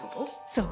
そう。